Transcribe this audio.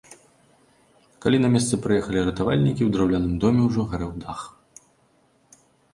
Калі на месца прыехалі ратавальнікі, у драўляным доме ўжо гарэў дах.